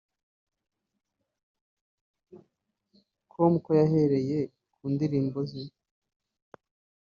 com ko yahereye ku ndirimbo ze